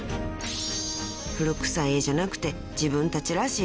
［古くさい絵じゃなくて自分たちらしい